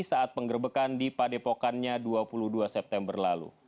saat penggerbekan di padepokannya dua puluh dua september lalu